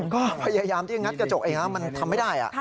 ก็พยายามที่งัดกระจกเองนะมันทำไม่ได้